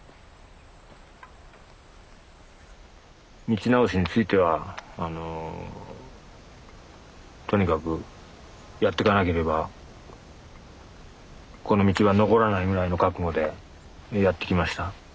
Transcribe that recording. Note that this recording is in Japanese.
道直しについてはとにかくやってかなければこの道は残らないぐらいの覚悟でやってきました。